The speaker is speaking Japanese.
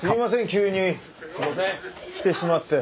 急に来てしまって。